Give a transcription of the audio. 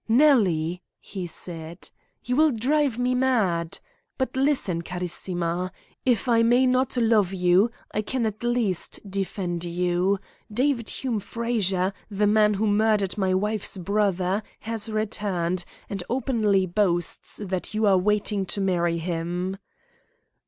"Nellie," he said, "you will drive me mad. But listen, carissima. If I may not love you, I can at least defend you. David Hume Frazer, the man who murdered my wife's brother, has returned, and openly boasts that you are waiting to marry him."